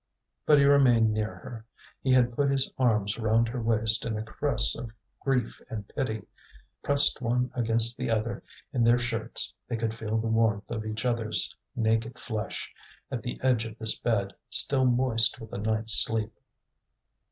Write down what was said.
But he remained near her; he had put his arms round her waist in a caress of grief and pity. Pressed one against the other in their shirts, they could feel the warmth of each other's naked flesh, at the edge of this bed, still moist with the night's sleep.